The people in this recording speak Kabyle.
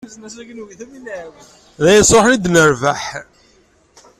D ayen sruḥen i d-nerbeḥ.